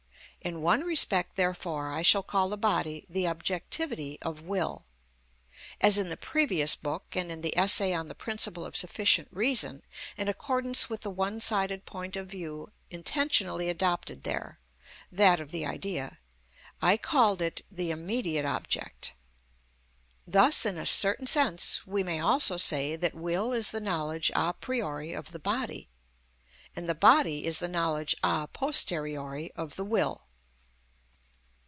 In one respect, therefore, I shall call the body the objectivity of will; as in the previous book, and in the essay on the principle of sufficient reason, in accordance with the one sided point of view intentionally adopted there (that of the idea), I called it the immediate object. Thus in a certain sense we may also say that will is the knowledge a priori of the body, and the body is the knowledge a posteriori of the will.